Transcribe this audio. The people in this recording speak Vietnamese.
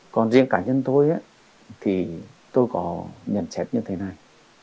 còn riêng cá nhân tôi thì tôi có nhận xét như thế này